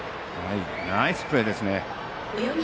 ナイスプレーですね。